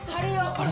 あれ？